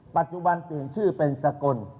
ปัจจุบันเปลี่ยนชื่อเป็นสกล